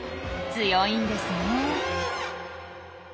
強いんですね。